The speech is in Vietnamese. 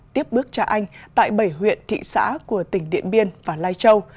tiếp bước trả anh tại bảy huyện thị xã của tỉnh